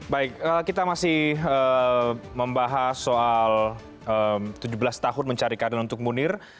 baik kita masih membahas soal tujuh belas tahun mencari keadaan untuk munir